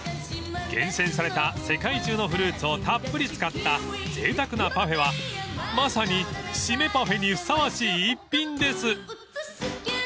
［厳選された世界中のフルーツをたっぷり使ったぜいたくなパフェはまさに締めパフェにふさわしい逸品です］